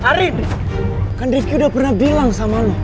arif kan rifki udah pernah bilang sama lo